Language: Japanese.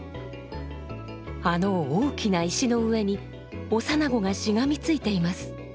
あの大きな石の上に幼子がしがみついています。